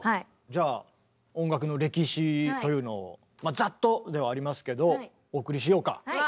じゃあ音楽の歴史というのをざっとではありますけどお送りしようか。